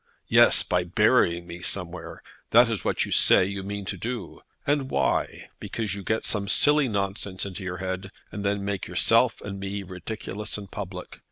"Yes; by burying me somewhere. That is what you say you mean to do. And why? Because you get some silly nonsense into your head, and then make yourself and me ridiculous in public.